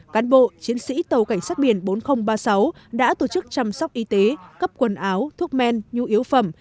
cán bộ chiến sĩ tàu cảnh sát biển bốn nghìn ba mươi sáu đã tổ chức chăm sóc y tế cấp quần áo thuốc men nhu yếu phẩm